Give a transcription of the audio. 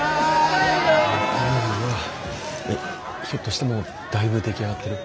うわひょっとしてもうだいぶ出来上がってる？